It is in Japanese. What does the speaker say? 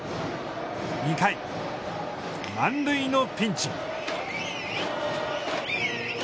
２回、満塁のピンチ。